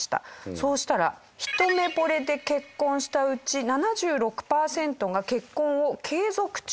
そうしたら一目惚れで結婚したうち７６パーセントが結婚を継続中。